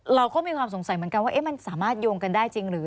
เราก็มีความสงสัยเหมือนกันว่ามันสามารถโยงกันได้จริงหรือ